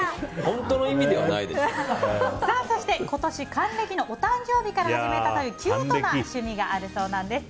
そして今年還暦のお誕生日から始めたというキュートな趣味があるそうなんです。